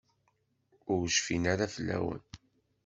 Ur cfin ara fell-awen.